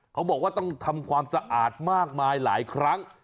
เขาบอกว่าต้องทำความสะอาดมากมายหลายครั้ง